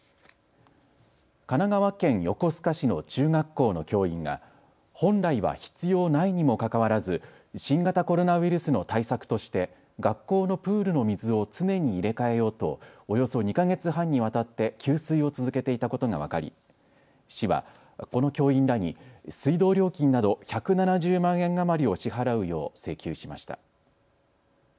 神奈川県横須賀市の中学校の教員が本来は必要ないにもかかわらず新型コロナウイルスの対策として学校のプールの水を常に入れ替えようとおよそ２か月半にわたって給水を続けていたことが分かり市はこの教員らに水道料金など１７０万円余りを支払うよう請求しました。